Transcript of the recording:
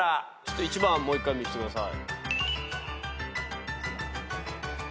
１番もう一回見してください。